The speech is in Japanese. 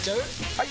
・はい！